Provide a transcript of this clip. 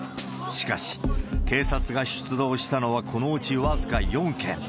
しかし、警察が出動したのはこのうち僅か４件。